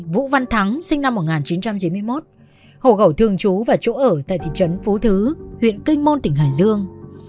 vũ văn thắng sinh năm một nghìn chín trăm chín mươi một hồ gẩu thường trú và chỗ ở tại thị trấn phú thứ huyện kinh môn tỉnh hải dương